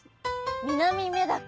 ミナミメダカ。